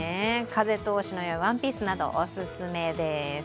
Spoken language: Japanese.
風通しのいいワンピースなどおすすめです。